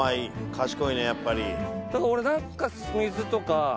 賢いねやっぱり。